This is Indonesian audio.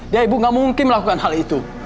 ya ibu gak mungkin melakukan hal itu